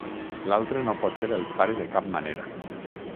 L'altre no pot ser el pare de cap manera.